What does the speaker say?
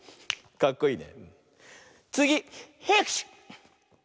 かっこいいね。